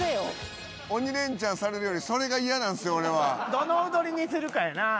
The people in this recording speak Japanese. どの踊りにするかやな。